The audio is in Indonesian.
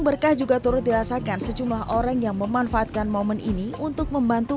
berkah juga turut dirasakan sejumlah orang yang memanfaatkan momen ini untuk membantu